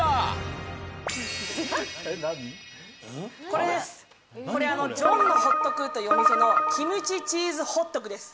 これあのジョンノホットクというお店のキムチチーズホットクです。